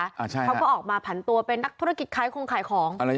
อ่าใช่ฮะเขาก็ออกมาผันตัวเป็นนักธุรกิจขายของขายของ